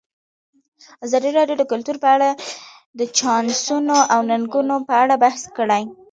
ازادي راډیو د کلتور په اړه د چانسونو او ننګونو په اړه بحث کړی.